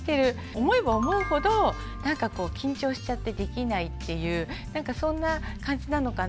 思えば思うほどなんかこう緊張しちゃってできないっていうなんかそんな感じなのかなと思って。